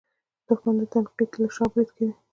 دښمن د تنقید له شا برید کوي